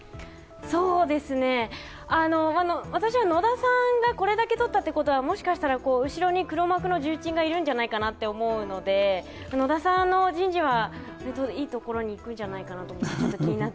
私は野田さんがこれだけとったということは、もしかしたら後ろに黒幕の重鎮がいたんじゃないかなと思ったので野田さんの人事はいいところにいくんじゃないかなと思って気になっています。